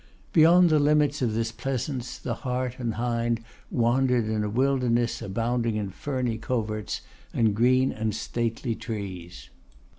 Beyond the limits of this pleasance the hart and hind wandered in a wilderness abounding in ferny coverts and green and stately trees.